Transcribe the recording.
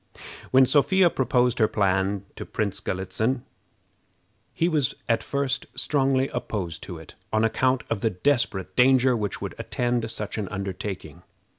When Sophia proposed her plan to Prince Galitzin, he was at first strongly opposed to it, on account of the desperate danger which would attend such an undertaking.